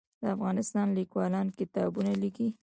د افغانستان لیکوالان کتابونه لیکي